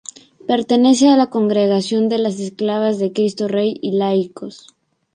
Pertenece a la Congregación de las Esclavas de Cristo Rey y Laicos.